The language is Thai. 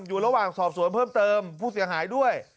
อยู่ระหว่างสอบสวนเพิ่มเติมผู้เสียหายด้วย